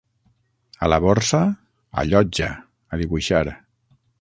A la Borsa? A Llotja, a dibuixar.